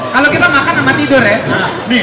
kalau kita makan sama tidur ya